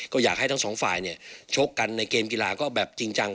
ก็อยากให้ทั้งสองฝ่ายเนี่ยชกกันในเกมกีฬาก็แบบจริงจัง